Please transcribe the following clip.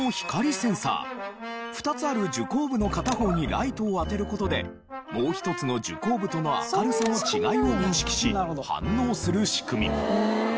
センサー２つある受光部の片方にライトを当てる事でもう一つの受光部との明るさの違いを認識し反応する仕組み。